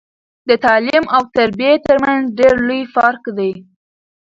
د تعليم او تربيه ترمنځ ډير لوي فرق دی